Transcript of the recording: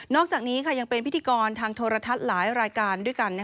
อกจากนี้ยังเป็นพิธีกรทางโทรทัศน์หลายรายการด้วยกัน